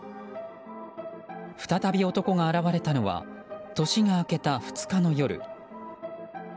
再び男が現れたのは年が明けた２日の夜。